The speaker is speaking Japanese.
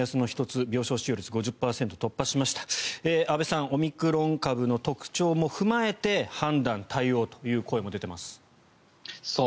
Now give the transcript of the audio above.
安部さんオミクロン株の特徴も踏まえて判断、対応という声も出ています。